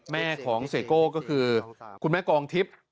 แม่ของเสียโก้ก็คือคุณแม่กองทิพย์